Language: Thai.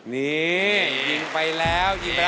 นี่ยิงไปแล้ว